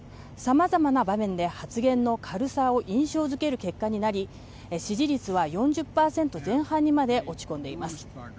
様々な場面で発言の軽さを印象づける結果になり支持率は４０％前半にまで落ち込んでいます。